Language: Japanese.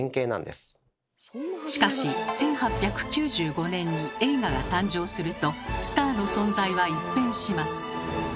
しかし１８９５年に映画が誕生するとスターの存在は一変します。